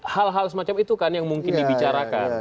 hal hal semacam itu kan yang mungkin dibicarakan